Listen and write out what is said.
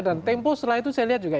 dan tempo setelah itu saya lihat juga